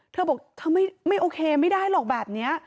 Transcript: เธอบอกเธอไม่โอเคไม่ได้หรอกแบบนี้